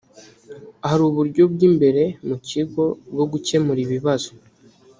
hari uburyo bw imbere mu kigo bwo gukemura ibibazo